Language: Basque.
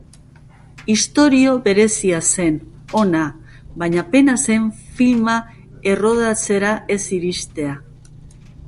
Istorio berezia zen, ona, baina pena zen filma errodatzera ez iristea.